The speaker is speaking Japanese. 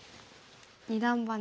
二段バネ。